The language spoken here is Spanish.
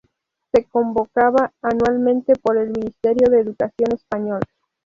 Se convocaba anualmente por el Ministerio de Educación español.